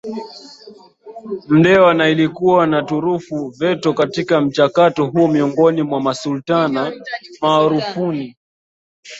Mndewa Na ilikuwa na turufu Veto katika mchakato huoMiongoni mwa Masultana maarufu ni